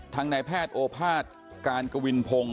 ทางนายแพทย์โอภาษย์การกวินพงศ์